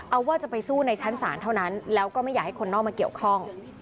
เอาว่าจะไปสู้ในชั้นศาลเท่านั้นแล้วก็ไม่อยากให้คนนอกมาเกี่ยวข้อง